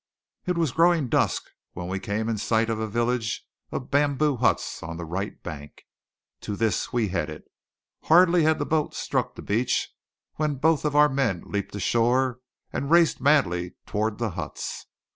It was growing dusk when we came in sight of a village of bamboo huts on the right bank. To this we headed. Hardly had the boat struck the beach when both of our men leaped ashore and raced madly toward the huts.